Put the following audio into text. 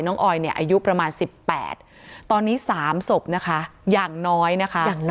ออยเนี่ยอายุประมาณ๑๘ตอนนี้๓ศพนะคะอย่างน้อยนะคะ